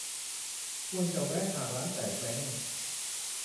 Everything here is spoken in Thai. ควรจะแวะหาร้านแตกแบงค์